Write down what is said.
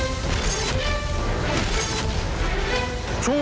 สุวิทย์ตีแสดหน้า